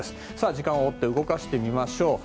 時間を追って動かしてみましょう。